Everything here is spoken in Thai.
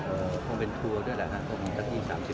เออคงเป็นทัวร์ด้วยแล้วครับคงกระทิ๓๐คนอะไรอย่างเงี้ยท่านครับ